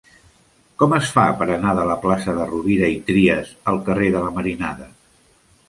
Com es fa per anar de la plaça de Rovira i Trias al carrer de la Marinada?